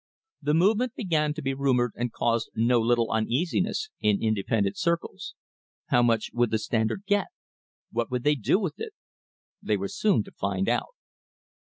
The movement began to be rumoured and caused no little [ 172] A MODERN WAR FOR INDEPENDENCE uneasiness in independent circles. How much would the Standard get? What would they do with it? They were soon to find out.